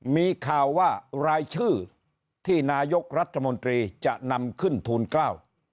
มีข่าวว่ารายชื่อที่นายกรัฐมนตรีจะนำขึ้นทูลเกล้า